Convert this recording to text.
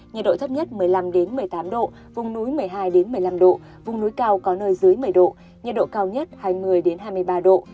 nhiệt độ thấp nhất một mươi năm một mươi tám độ vùng núi một mươi hai một mươi năm độ vùng núi cao có nơi dưới một mươi độ nhiệt độ cao nhất hai mươi hai mươi ba độ